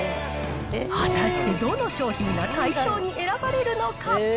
果たしてどの商品が大賞に選ばれるのか。